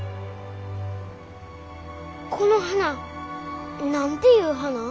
この花何ていう花？